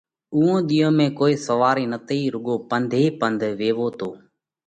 اُوئون ۮِيئون ۾ ڪوئي سوارئِي نتئِي، رُوڳو پنڌ ئي پنڌ ويوو تو۔